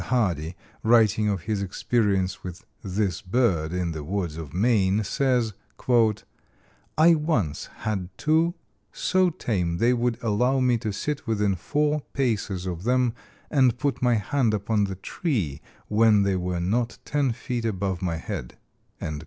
Hardy, writing of his experience with this bird in the woods of Maine, says: "I once had two so tame they would allow me to sit within four paces of them, and put my hand upon the tree when they were not ten feet above my head."